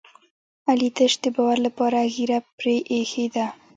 علي تش د باور لپاره ږېره پرې ایښې ده.